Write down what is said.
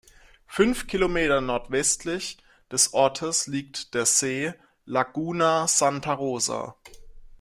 Fünf Kilometer nordwestlich des Ortes liegt der See "Laguna Santa Rosa".